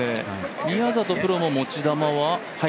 宮里プロも持ち球は？